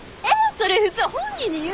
それ普通本人に言う？